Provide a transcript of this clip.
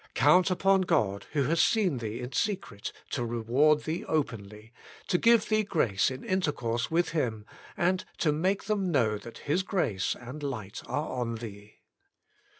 Count UPON God, Who Has Seen Thee in Secret, to Eewaed Thee Openly, to Give Thee Grace in Intercourse with Him, and to Make Them Know That His Grace and Light Are on Thee.